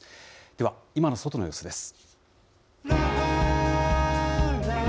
では、今の外の様子です。